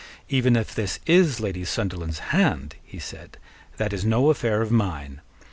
"Even if this is Lady Sunderland's hand," he said, "that is no affair of mine.